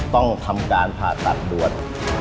ต้องทำการผ่าตัดด่วน